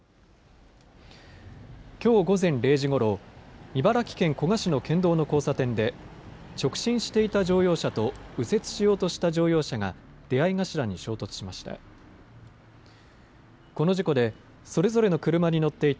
きょう午前０時ごろ、茨城県古河市の県道の交差点で直進していた乗用車と右折しようとした乗用車が出合い頭に衝突しました。